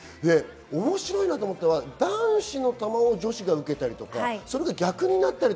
面白いなと思って、男子の球を女子が受けたり、逆になったり。